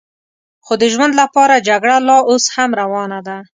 خو د ژوند لپاره جګړه لا اوس هم روانه ده.